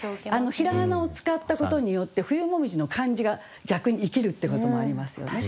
平仮名を使ったことによって「冬紅葉」の漢字が逆に生きるってこともありますよね。